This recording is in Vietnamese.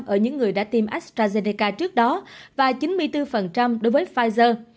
ở những người đã tiêm astrazeneca trước đó và chín mươi bốn đối với pfizer